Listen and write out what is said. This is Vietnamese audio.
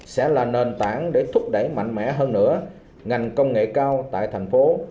sẽ là nền tảng để thúc đẩy mạnh mẽ hơn nữa ngành công nghệ cao tại thành phố